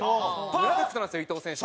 パーフェクトなんですよ伊藤選手。